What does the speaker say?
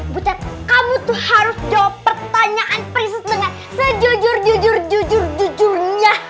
butat kamu tuh harus jawab pertanyaan prisus dengan sejujur jujur jujur jujurnya